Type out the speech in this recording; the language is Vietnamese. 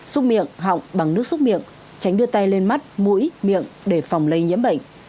xúc miệng họng bằng nước xúc miệng tránh đưa tay lên mắt mũi miệng để phòng lây nhiễm bệnh